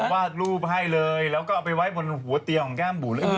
วาดรูปให้เลยแล้วก็เอาไปไว้บนหัวเตียงของแก้มบุ๋เลย